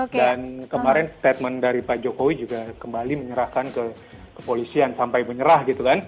dan kemarin statement dari pak jokowi juga kembali menyerahkan kepolisian sampai menyerah